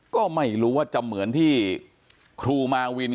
ก็ไม่รู้ว่าจะเหมือนที่ครูมาวิน